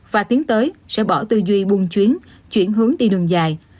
và tiến tới sẽ bỏ tư duy buôn chuyến chuyển hướng đi đường dài